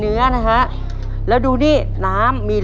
เพื่อชิงทุนต่อชีวิตสุด๑ล้านบาท